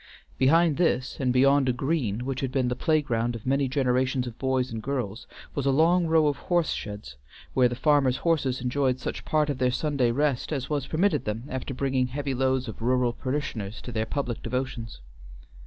Behind this, and beyond a green which had been the playground of many generations of boys and girls, was a long row of horse sheds, where the farmers' horses enjoyed such part of their Sunday rest as was permitted them after bringing heavy loads of rural parishioners to their public devotions.